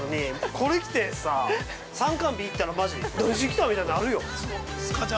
これ着てさあ、参観日行ったらマジ、何しに来たんみたいなるよ。